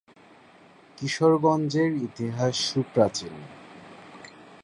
কিশোরগঞ্জের ইতিহাস সুপ্রাচীন।